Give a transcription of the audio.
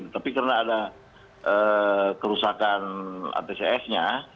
tapi karena ada kerusakan atcs nya